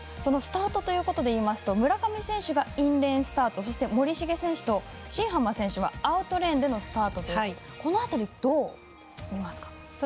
スタートということでいいますと、村上選手がインレーンスタート森重選手と新濱選手はアウトレーンでのスタートということでこのあと、どう見ますか？